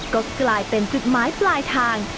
ก็กลายเป็นจุดหมายปลายทาง